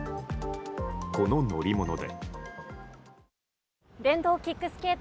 この乗り物で。